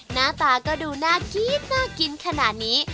หน้าตาก็ดูน่ากินขนาดนี้